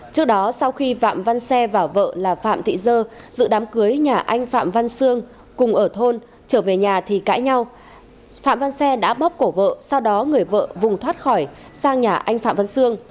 trước đó sau khi phạm văn xe và vợ là phạm thị dơ dự đám cưới nhà anh phạm văn sương cùng ở thôn trở về nhà thì cãi nhau phạm văn xe đã bóp cổ vợ sau đó người vợ vùng thoát khỏi sang nhà anh phạm văn sương